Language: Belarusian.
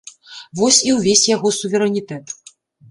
Вось і ўвесь яго суверэнітэт.